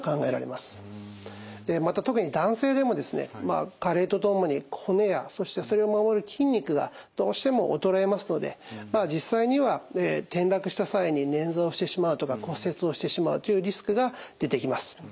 また特に男性でもですね加齢とともに骨やそしてそれを守る筋肉がどうしても衰えますので実際には転落した際に捻挫をしてしまうとか骨折をしてしまうというリスクが出てきます。